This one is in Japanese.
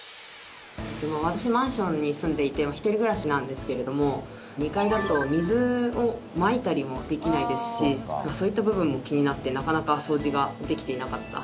マンションに住んでいて１人暮らしなんですけれども２階だと水をまいたりもできないですしそういった部分も気になってなかなか掃除ができていなかった。